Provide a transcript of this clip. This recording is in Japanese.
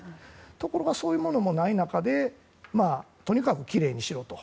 ところが、そういうものもない中でとにかくきれいにしろと。